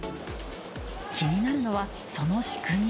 気になるのはその仕組み。